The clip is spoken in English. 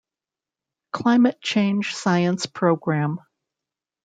Climate Change Science Program.